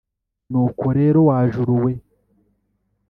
Nuko rero wa juru we,